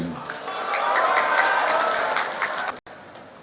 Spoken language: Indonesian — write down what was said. di republik indonesia ini